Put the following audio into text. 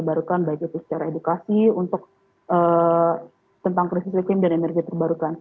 jadi ini adalah komunitas yang terbarukan baik itu secara edukasi untuk tentang krisis ekim dan energi terbarukan